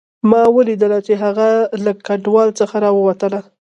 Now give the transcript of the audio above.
ما ولیدله چې هغه له ګودال څخه راووتله